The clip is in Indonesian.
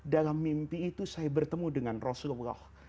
dalam mimpi itu saya bertemu dengan rasulullah